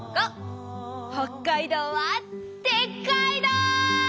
北海道はでっかいど！